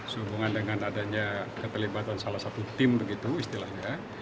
sehubungan dengan adanya keterlibatan salah satu tim begitu istilahnya